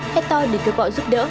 hét toi để kêu gọi giúp đỡ